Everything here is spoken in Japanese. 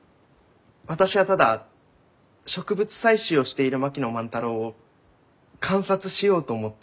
私はただ植物採集をしている槙野万太郎を観察しようと思って。